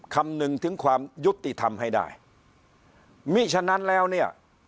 คำนึงถึงความยุติธรรมให้ได้มีฉะนั้นแล้วเนี่ย